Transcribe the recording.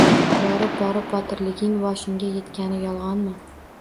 Borib-borib botirliging boshingga yetgani yolg‘onmi?